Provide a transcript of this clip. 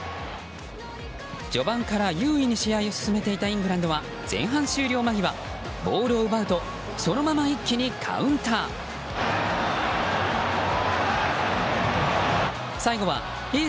序盤から優位に試合を進めていたイングランドは前半終了間際ボールを奪うとそのまま一気にカウンター。